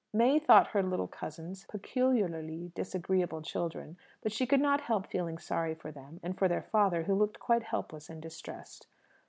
May thought her little cousins peculiarly disagreeable children; but she could not help feeling sorry for them and for their father, who looked quite helpless and distressed.